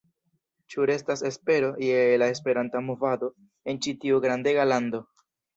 Ĉu restas espero je la Esperanta movado en ĉi tiu grandega lando?